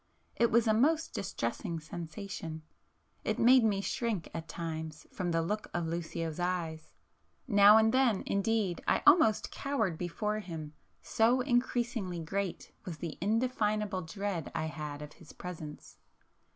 It was a most distressing sensation,—it made me shrink at times, [p 450] from the look of Lucio's eyes,—now and then indeed I almost cowered before him, so increasingly great was the indefinable dread I had of his presence.